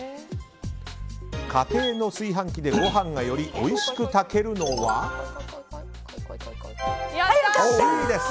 家庭の炊飯器でごはんがよりおいしく炊けるのはＣです。